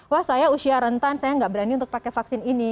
wah saya usia rentan saya nggak berani untuk pakai vaksin ini